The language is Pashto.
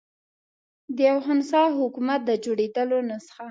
د یوه خنثی حکومت د جوړېدلو نسخه.